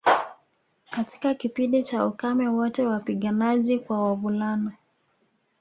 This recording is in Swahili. Katika kipindi cha ukame wote wapiganaji kwa wavulana